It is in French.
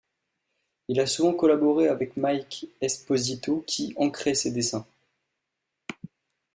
Il a souvent collaboré avec Mike Esposito qui encrait ses dessins.